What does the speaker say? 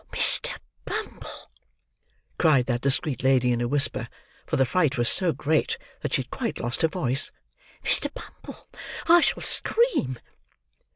"Mr. Bumble!" cried that discreet lady in a whisper; for the fright was so great, that she had quite lost her voice, "Mr. Bumble, I shall scream!"